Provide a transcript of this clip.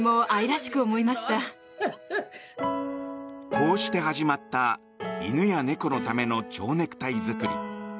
こうして始まった犬や猫のための蝶ネクタイ作り。